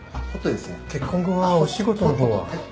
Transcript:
結婚後はお仕事の方は？えっ？